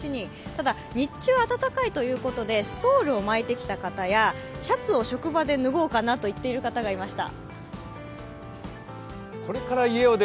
ただ、日中暖かいということでストールを巻いてきた方やシャツを職場で脱ごうかなと言っている方がいました。